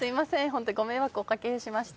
ホントご迷惑をお掛けしました。